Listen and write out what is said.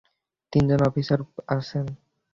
তিনজন অফিসার আছেন।